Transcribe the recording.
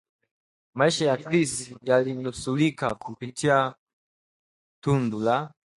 Maisha ya Chris yalinusurika kupitia tundu la